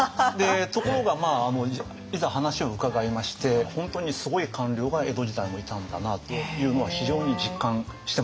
ところがいざ話を伺いまして本当にすごい官僚が江戸時代もいたんだなというのは非常に実感してますよね。